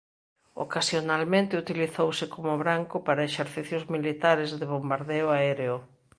Ocasionalmente utilizouse como branco para exercicios militares de bombardeo aéreo.